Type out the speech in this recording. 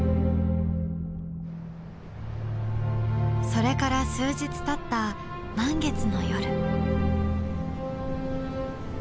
それから数日たった満月の夜。